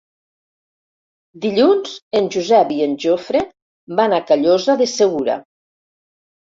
Dilluns en Josep i en Jofre van a Callosa de Segura.